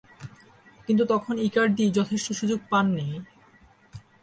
কিন্তু তখন ইকার্দি যথেষ্ট সুযোগ পাননি।